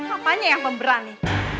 apanya yang pemberani